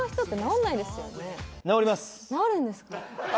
治るんですか？